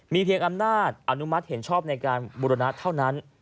เพียงอำนาจอนุมัติเห็นชอบในการบุรณะเท่านั้น